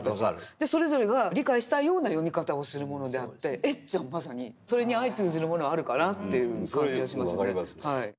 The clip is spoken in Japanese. でそれぞれが理解したいような読み方をするものであってエッちゃんはまさにそれに相通じるものあるかなっていう感じはしますね。